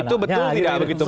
itu betul tidak begitu